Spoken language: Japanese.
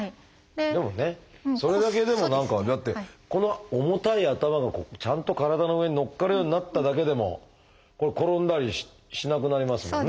でもねそれだけでも何かだってこの重たい頭がちゃんと体の上にのっかるようになっただけでも転んだりしなくなりますもんね。